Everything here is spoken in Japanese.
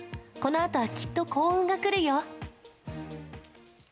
このあとはきっと幸運が来るよ。